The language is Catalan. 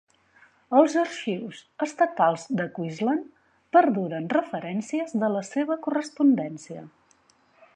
Als Arxius Estatals de Queensland perduren referències de la seva correspondència.